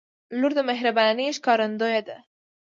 • لور د مهربانۍ ښکارندوی ده.